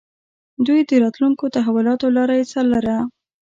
دوی د راتلونکو تحولاتو لاره يې څارله.